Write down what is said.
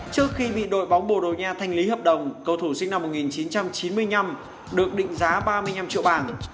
trước khi bị đội bóng borogna thanh lý hợp đồng cầu thủ sinh năm một nghìn chín trăm chín mươi năm được định giá ba mươi năm triệu bảng